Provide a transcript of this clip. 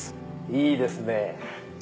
いいですね。